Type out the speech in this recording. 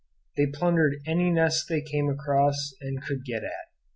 They plundered any nest they came across and could get at.